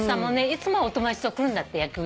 いつもはお友達と来るんだって。